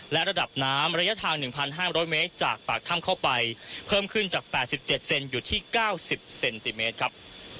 และระดับน้ำระยะทาง๑๕๐๐เมตรจากปากถ้ำเข้าไปเพิ่มขึ้นจาก๘๗เซนอยู่ที่๙๐เซนติเมตรครับ